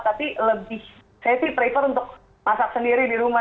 tapi lebih saya sih prefer untuk masak sendiri di rumah